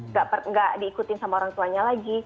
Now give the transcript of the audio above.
nggak diikutin sama orang tuanya lagi